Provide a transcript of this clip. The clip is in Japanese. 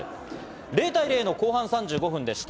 ０対０の後半３５分でした。